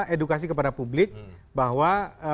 edukasi kepada publik bahwa